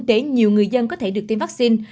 để nhiều người dân có thể được tiêm vaccine